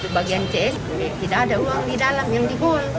bagian cs tidak ada uang di dalam yang di gol